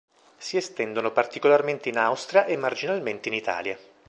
Si estendono particolarmente in Austria e marginalmente in Italia.